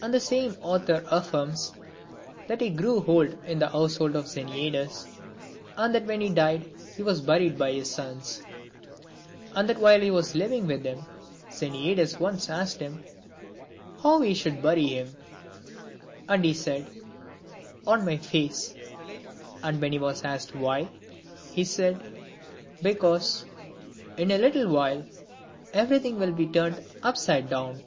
VI. And the same author affirms, that he grew old in the household of Xeniades, and that when he died he was buried by his sons, And that while he was living with him, Xeniades once asked him how he should bury him; and he said, " On my face ;" and when he was asked why, he said, " Because, in a little while, everything will be turned upside down."